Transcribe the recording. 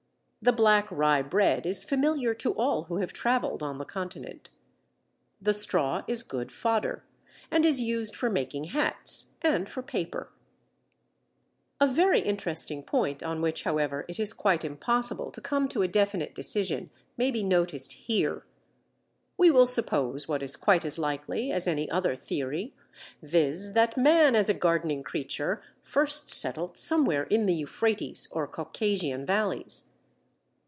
The black rye bread is familiar to all who have travelled on the Continent. The straw is good fodder, and is used for making hats and for paper. Hackel, True Grasses. A very interesting point on which, however, it is quite impossible to come to a definite decision, may be noticed here. We will suppose what is quite as likely as any other theory, viz. that man as a gardening creature first settled somewhere in the Euphrates or Caucasian valleys.